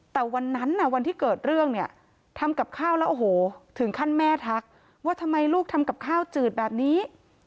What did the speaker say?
แต่วันนั้นวันที่เกิดเรื่องเนี่ยทำกับข้าวแล้วโอ้โหถึงขั้นแม่ทักว่าทำไมลูกทำกับข้าวจืดแบบนี้